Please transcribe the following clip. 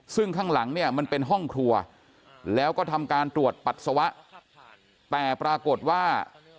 ซึ่งข้างหลังเนี่ยมันเป็นห้องครัวแล้วก็ทำการตรวจปัสสาวะแต่ปรากฏว่า